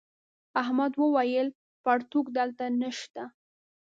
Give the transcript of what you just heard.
احمد وويل: پرتوگ دلته نشته.